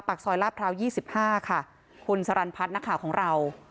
ปากซอยลาบพราวยี่สิบห้าค่ะคุณสรรพัฒน์ของเรา